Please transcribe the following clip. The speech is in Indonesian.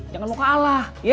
jangan mau kalah ye